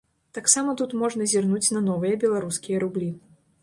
Таксама тут можна зірнуць на новыя беларускія рублі.